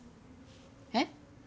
えっ？